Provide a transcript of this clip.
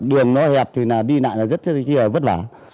đường nó hẹp thì đi lại là rất là vất vả